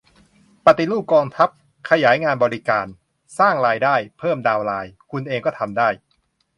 ปฏิรูปกองทัพ ขยายงานบริการ สร้างรายได้ เพิ่มดาวน์ไลน์ คุณเองก็ทำได้